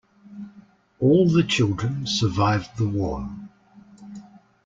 All the children survived the war.